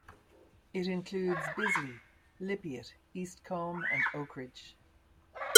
It includes Bisley, Lypiatt, Eastcombe and Oakridge.